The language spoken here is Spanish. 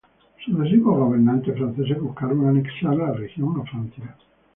Sucesivos gobernantes franceses buscaron anexar la región a Francia.